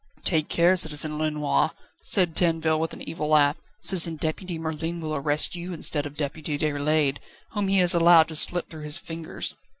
"Take care, Citizen Lenoir," said Tinville, with an evil laugh, "Citizen Deputy Merlin will arrest you instead of Deputy Déroulède, whom he has allowed to slip through his fingers."